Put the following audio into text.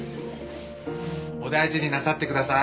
お大事になさってください。